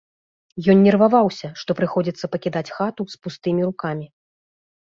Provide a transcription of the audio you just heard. Ён нерваваўся, што прыходзіцца пакідаць хату з пустымі рукамі.